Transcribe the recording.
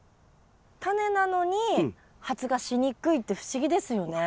タネなのに発芽しにくいって不思議ですよね。